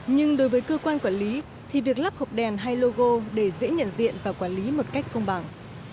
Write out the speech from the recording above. nhưng đối với cơ quan quản lý thì việc lắp hộp đèn hay logo để dễ nhận diện và quản lý một cách công bằng